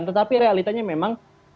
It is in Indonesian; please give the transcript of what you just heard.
tetapi realitanya memang diselenggarakan